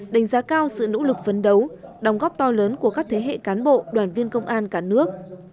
đánh giá cao sự nỗ lực phấn đấu đồng góp to lớn của các thế hệ cán bộ đoàn viên công an cả nước